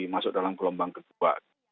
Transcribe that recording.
masuk dalam gelombang ketua